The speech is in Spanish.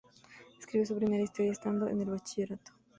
Escribió su primera historia estando en el bachillerato.